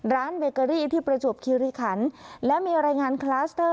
เบเกอรี่ที่ประจวบคิริขันและมีรายงานคลัสเตอร์